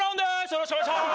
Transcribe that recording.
よろしくお願いします。